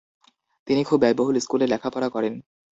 তিনি খুব ব্যয়বহুল স্কুলে লেখাপড়া করেন।